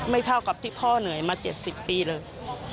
เท่ากับที่พ่อเหนื่อยมา๗๐ปีเลย